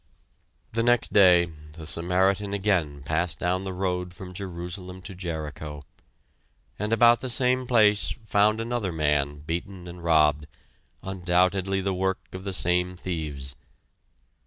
The next day, the Samaritan again passed down the road from Jerusalem to Jericho, and about the same place found another man, beaten and robbed, undoubtedly the work of the same thieves.